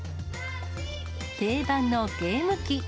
定番のゲーム機。